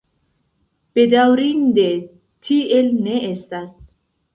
Bedaŭrinde, tiel ne estas.